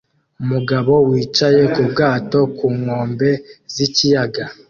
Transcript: Umugabo wicaye mu bwato ku nkombe z'ikiyaga